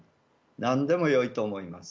何でもよいと思います。